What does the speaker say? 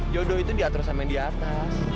jodoh itu diatur sama yang diatas